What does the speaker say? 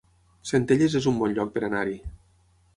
Centelles es un bon lloc per anar-hi